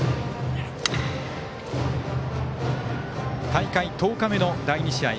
大会１０日目の第２試合。